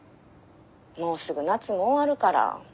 もうすぐ夏も終わるから。